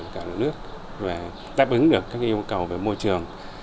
cả nước và táp ứng được các yêu cầu về môi trường